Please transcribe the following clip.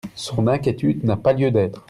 Son inquiétude n’a pas lieu d’être.